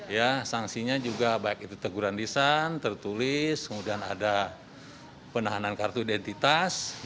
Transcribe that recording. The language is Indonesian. ya sanksinya juga baik itu teguran lisan tertulis kemudian ada penahanan kartu identitas